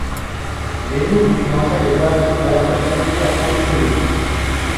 Many if not a majority were definitely opposed to it.